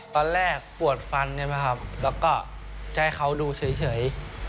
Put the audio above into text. ตอนแรกปวดฟันใช่ไหมครับแล้วก็จะให้เขาดูเฉย